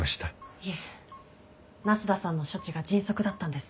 いえ那須田さんの処置が迅速だったんです。